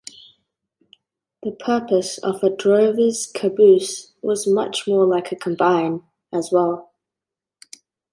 The purpose of a drover's caboose was much more like a combine, as well.